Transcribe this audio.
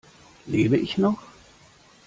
Lebe ich noch?